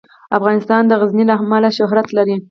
افغانستان د غزني له امله شهرت لري.